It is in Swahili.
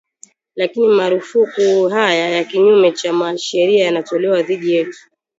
lakini marufuku haya ya kinyume cha sharia yanatolewa dhidi yetu